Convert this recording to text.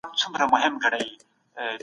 ایا تاسو له خپلې څېړنې سره پوره لېوالتیا لرئ؟